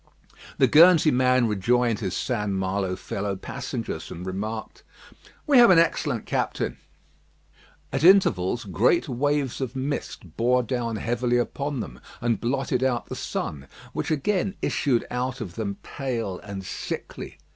The Guernsey man rejoined his St. Malo fellow passengers, and remarked: "We have an excellent captain." At intervals, great waves of mist bore down heavily upon them, and blotted out the sun; which again issued out of them pale and sickly.